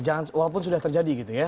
jangan walaupun sudah terjadi gitu ya